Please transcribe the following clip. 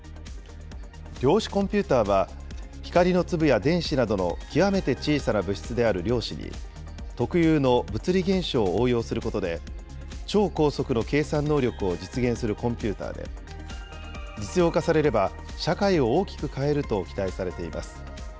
量子コンピューターは光の粒や電子などの極めて小さな物質である量子に、特有の物理現象を応用することで、超高速の計算能力を実現するコンピューターで、実用化されれば、社会を大きく変えると期待されています。